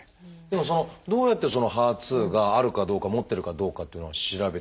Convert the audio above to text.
でもどうやってそのＨＥＲ２があるかどうか持ってるかどうかっていうのを調べていくんでしょう？